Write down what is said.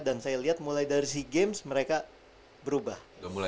dan saya lihat mulai dari si games mereka berubah